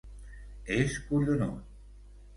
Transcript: És collonut!